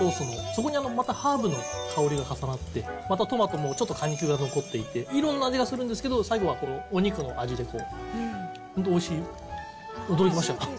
そこにまたハーブの香りが重なって、またトマトももうちょっと果肉が残っていて、いろんな味がするんですけど、最後はお肉の味で、本当おいしい、驚きました。